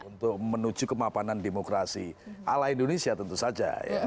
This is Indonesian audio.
untuk menuju kemapanan demokrasi ala indonesia tentu saja